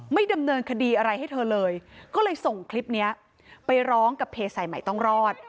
ไม่ดำเนินคดีอะไรให้เธอเลยก็เลยส่งคลิปนี้ไปร้องกับเพจสายใหม่ต้องรอด